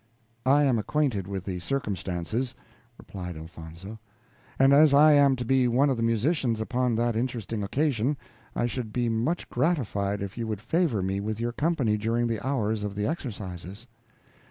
"I am acquainted with the circumstances," replied Elfonzo, "and as I am to be one of the musicians upon that interesting occasion, I should be much gratified if you would favor me with your company during the hours of the exercises."